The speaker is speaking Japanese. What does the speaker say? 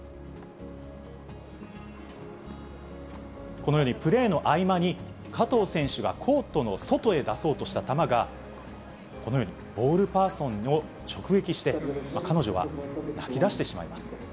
このように、プレーの合間に、加藤選手がコートの外へ出そうとした球が、このようにボールパーソンを直撃して、彼女は泣きだしてしまいます。